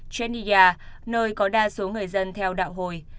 genya nơi có đa số người dân theo đạo hồi